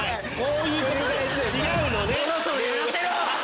違うのね！